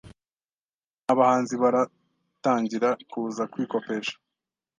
Nta bahanzi baratangira kuza kwikopesha